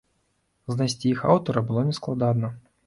Знайсці іх аўтара было нескладана.